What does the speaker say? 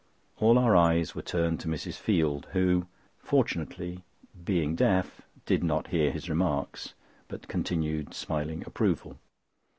All our eyes were turned to Mrs. Field, who fortunately, being deaf, did not hear his remarks; but continued smiling approval.